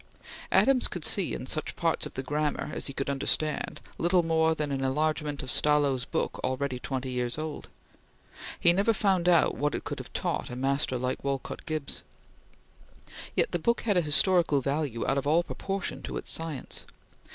Adams could see in such parts of the "Grammar" as he could understand, little more than an enlargement of Stallo's book already twenty years old. He never found out what it could have taught a master like Willard Gibbs. Yet the book had a historical value out of all proportion to its science.